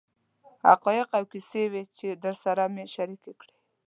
حقایق او کیسې وې چې درسره مې شریکې کړې.